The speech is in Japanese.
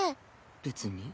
別に。